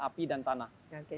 api dan tanah